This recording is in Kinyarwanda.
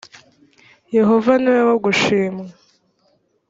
yehova niwe wogushimwa.